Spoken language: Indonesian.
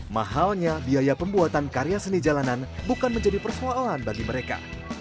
mahalnya biaya pembuatan karya seni jalanan bukan menjadi persoalan bagi mereka